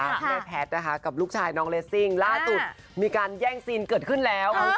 แม่แพทย์นะคะกับลูกชายน้องเลสซิ่งล่าสุดมีการแย่งซีนเกิดขึ้นแล้ว